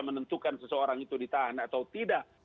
menentukan seseorang itu ditahan atau tidak